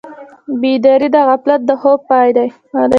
بیداري د غفلت د خوب پای دی.